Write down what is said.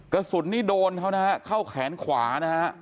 กระสุนนี่โดนเขานะฮะเข้าแขนขวานะฮะ